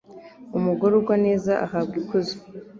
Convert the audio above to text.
Umugore ugwa neza ahabwa ikuzo